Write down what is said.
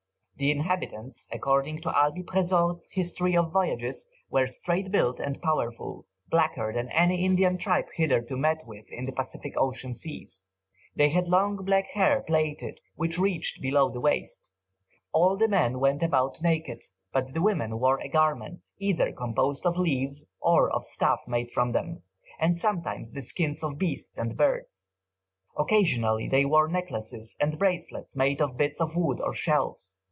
The inhabitants, according to Albey Presort's "History of Voyages," were straight built and powerful, blacker than any Indian tribe hitherto met with in the Pacific Ocean Seas. They had long black hair plaited, which reached below the waist. All the men went about naked, but the women wore a garment, either composed of leaves or of stuff made from them, and sometimes the skins of beasts and birds. Occasionally they wore necklaces and bracelets made of bits of wood or shells.